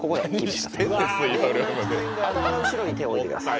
頭の後ろに手を置いてください。